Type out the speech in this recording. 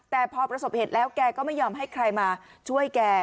แต่พอประสบเหตุแล้วแกก็ไม่ยอมให้ใครมาช่วยแก